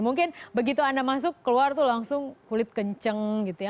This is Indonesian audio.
mungkin begitu anda masuk keluar tuh langsung kulit kenceng gitu ya